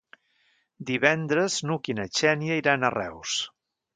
Divendres n'Hug i na Xènia iran a Reus.